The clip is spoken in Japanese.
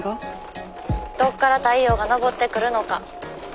どっから太陽が昇ってくるのか。